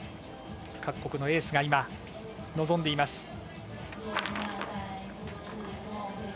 各国のエースが今、臨んでいます。